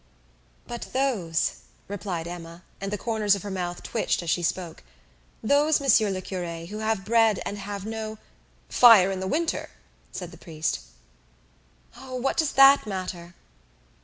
"But those," replied Emma, and the corners of her mouth twitched as she spoke, "those, Monsieur le Cure, who have bread and have no " "Fire in the winter," said the priest. "Oh, what does that matter?"